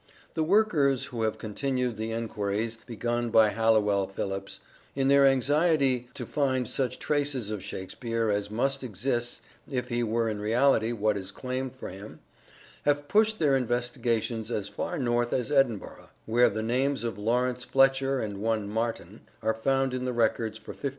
The workers who have continued the enquiries begun by Halliwell Phillipps, in their anxiety to find such traces of Shakspere as must exist if he were in reality what is claimed for him, have pushed their investigations as far north as Edinburgh, where the names of Lawrence Fletcher and one Martin are found hi the records for 1599.